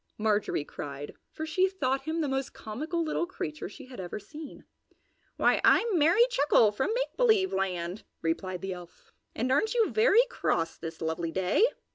Marjorie cried, for she thought him the most comical little creature she had ever seen. "Why, I'm Merry Chuckle from Make Believe Land!" replied the elf. "And aren't you very cross this lovely day?"